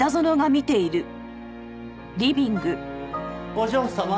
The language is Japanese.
お嬢様。